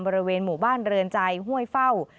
บริเวณหมู่บ้านเรือนใจห้วยเฝ้า